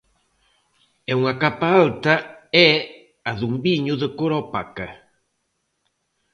E unha capa alta é a dun viño de cor opaca.